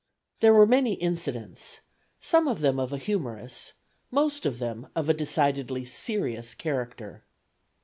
There were many incidents, some of them of a humorous, most of them of a decidedly serious character.